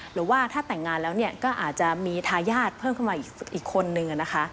หรือว่าถ้าแต่งงานแล้วก็อาจจะมีทายาทเพิ่มขึ้นมาอีกคนนึงนะคะ